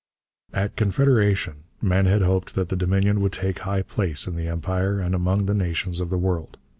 At Confederation men had hoped that the Dominion would take high place in the Empire and among the nations of the world.